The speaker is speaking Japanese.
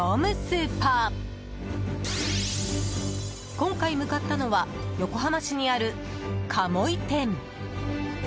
今回、向かったのは横浜市にある鴨居店。